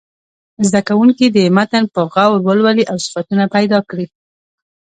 زده کوونکي دې متن په غور ولولي او صفتونه پیدا کړي.